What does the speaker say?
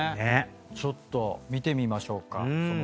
ちょっと見てみましょうかその生活を。